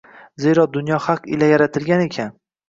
Zero dunyo haq ila yaratilgan ekan